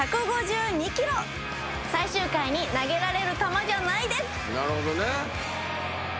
最終回に投げられる球じゃないです。